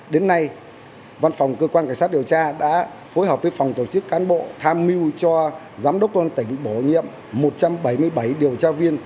đến nay văn phòng cơ quan cảnh sát điều tra đã phối hợp với phòng tổ chức cán bộ tham mưu cho giám đốc công an tỉnh bổ nhiệm một trăm bảy mươi bảy điều tra viên